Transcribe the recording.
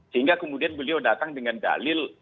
sehingga kemudian beliau datang dengan dalil